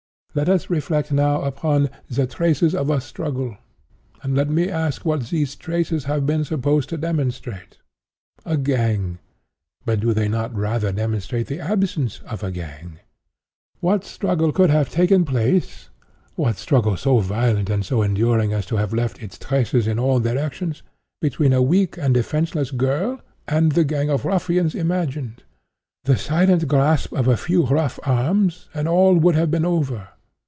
"Let us reflect now upon 'the traces of a struggle;' and let me ask what these traces have been supposed to demonstrate. A gang. But do they not rather demonstrate the absence of a gang? What struggle could have taken place—what struggle so violent and so enduring as to have left its 'traces' in all directions—between a weak and defenceless girl and the gang of ruffians imagined? The silent grasp of a few rough arms and all would have been over.